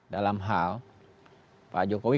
dalam hal pak jokowi